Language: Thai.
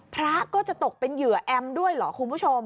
พระก็จะตกเป็นเหยื่อแอมด้วยเหรอคุณผู้ชม